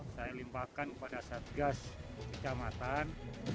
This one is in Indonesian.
saya limpahkan kepada satgas kecamatan